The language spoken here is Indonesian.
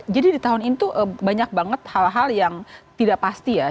jadi di tahun ini tuh banyak banget hal hal yang tidak pasti ya